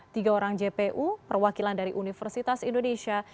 tiga orang jpu perwakilan dari universitas indonesia